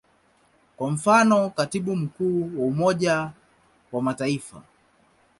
Kwa mfano, Katibu Mkuu wa Umoja wa Mataifa.